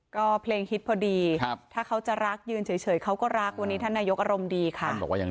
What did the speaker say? ก็เพลงฮิตพอดีถ้าเขาจะรักยืนเฉยเขาก็รักวันนี้ท่านนายกอารมณ์ดีค่ะ